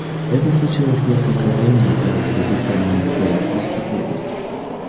Это случилось несколько времени перед прибытием моим в Белогорскую крепость.